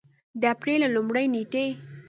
د اپرېل له لومړۍ نېټې